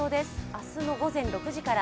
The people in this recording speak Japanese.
明日の午前６時から。